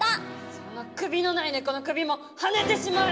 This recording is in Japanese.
その首のない猫の首もはねてしまえ！